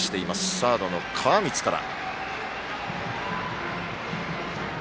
サードの川満から。